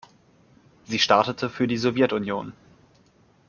Sie startete für die Sowjetunion.